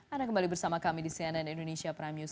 anda kembali bersama kami di cnn indonesia prime news